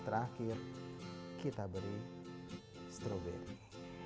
terakhir kita beri stroberi